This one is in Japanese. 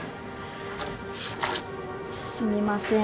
すみません。